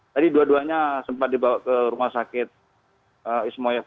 tadi dua duanya sempat dibawa ke rumah sakit ismoyah satu ratus empat puluh tiga